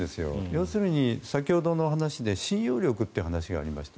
要するに、先ほどの話で信用力という話がありました。